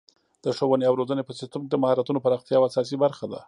د ښوونې او روزنې په سیستم کې د مهارتونو پراختیا یوه اساسي برخه ده.